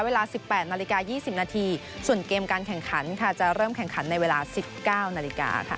เวลา๑๘นาฬิกา๒๐นาที